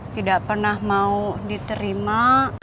tidak pernah mau diterima